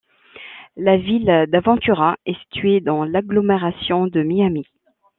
La ville d'Aventura est située dans l'agglomération de Miami.